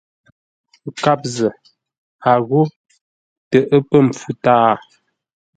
Nkâp zə̂, a ghô: tə ə́ pə̂ mpfu tâa.